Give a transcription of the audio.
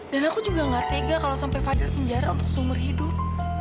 dan aku juga gak tega kalau sampai fadil penjara untuk seumur hidup